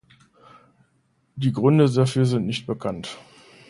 Die Gründe dafür sind nicht bekannt.